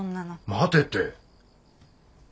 待てって。